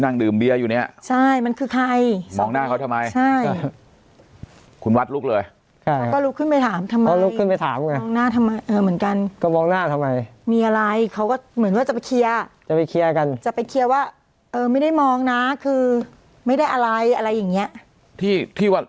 มองไม่หยุดมองไม่หยุดมองไม่หยุดมองไม่หยุดมองไม่หยุดมองไม่หยุดมองไม่หยุดมองไม่หยุด